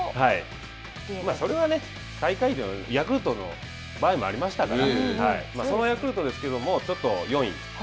それは最下位はヤクルトの場合もありましたからそのヤクルトですけれどもちょっと４位。